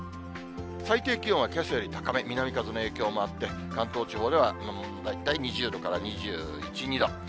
最低気温はけさより高め、南風の影響もあって、関東地方では大体２０度から２１、２度。